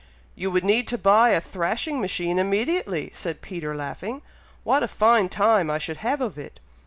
"You would need to buy a thrashing machine immediately," said Peter, laughing; "what a fine time I should have of it!